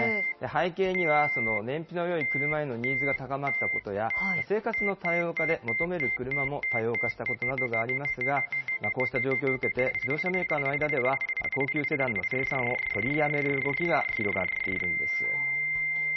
背景には燃費のよい車へのニーズが高まったことや、生活の多様化で、求める車も多様化したことなどがありますが、こうした状況を受けて、自動車メーカーの間では、高級セダンの生産を取りやめる動きが広がっているんです。